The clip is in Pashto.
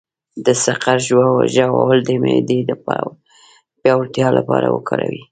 د سقز ژوول د معدې د پیاوړتیا لپاره وکاروئ